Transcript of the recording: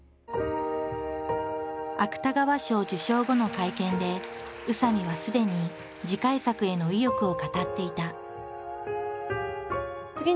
芥川賞受賞後の会見で宇佐見はすでに次回作への意欲を語っていた。